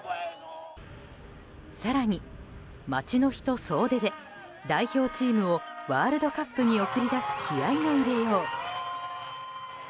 更に、街の人総出で代表チームをワールドカップに送り出す気合の入れよう。